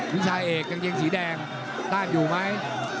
วิชาเอกกางเจียงสีแดงต้านอยู่มั้ย